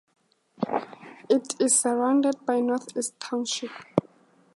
It is surrounded by North East Township.